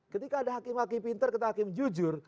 ketika ada hakim hakim pinter kita hakim jujur